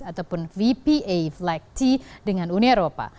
ataupun vpa flegt dengan uni eropa